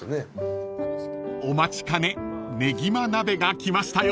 ［お待ちかねねぎま鍋が来ましたよ］